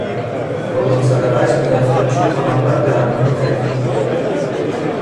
قربان صدقهاش میرفتم چون محبت درمان را تکمیل میکرد